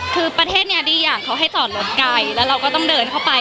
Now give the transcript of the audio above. คือประเทศนี้ดีอย่างเขาให้จอดรถไกลแล้วเราก็ต้องเดินเข้าไป